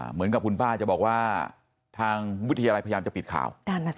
เหมือนกับคุณป้าจะบอกว่าทางวิทยาลัยพยายามจะปิดข่าว